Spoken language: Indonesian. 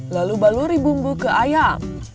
lalu baluri bumbu ke ayam